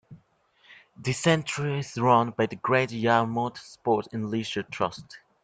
The centre is run by the Great Yarmouth Sport and leisure Trust.